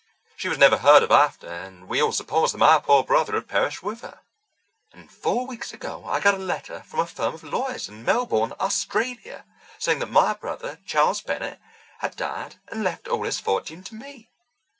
She was never heard of after, and we all supposed that my poor brother had perished with her. And four weeks ago I got a letter from a firm of lawyers in Melbourne, Australia, saying that my brother, Charles Bennett, had died and left all his fortune to me.